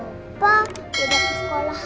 iya omad waktu itu cerita sama omad